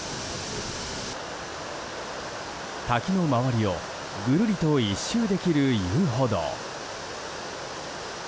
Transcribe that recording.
滝の周りをぐるりと１周できる遊歩道。